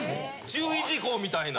注意事項みたいな。